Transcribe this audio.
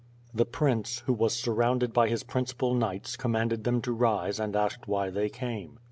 The prince, who was surrounded by his principal knights commanded fhem to rise and asked why they came.